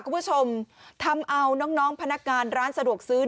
แกะนะฮะอืม